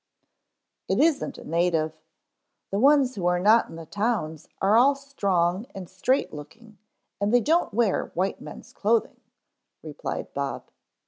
"It isn't a native. The ones who are not in the towns are all strong and straight looking and they don't wear white men's clothing," replied Bob.